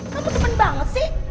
kamu temen banget sih